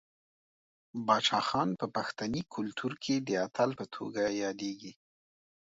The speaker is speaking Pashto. باچا خان په پښتني کلتور کې د اتل په توګه یادیږي.